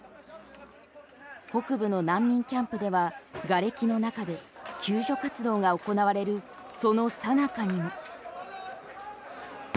北部の難民キャンプではがれきの中で救助活動が行われるその最中にも。